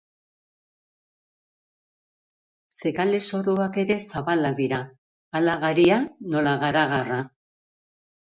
Zekale soroak ere zabalak dira, hala garia, nola garagarra.